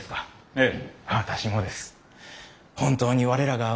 ええ。